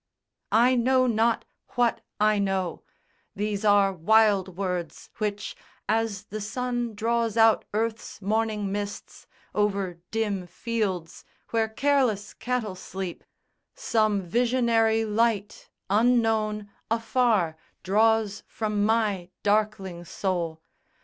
I know not what I know: these are wild words, Which, as the sun draws out earth's morning mists Over dim fields where careless cattle sleep, Some visionary Light, unknown, afar, Draws from my darkling soul.